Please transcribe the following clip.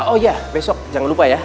oh iya besok jangan lupa ya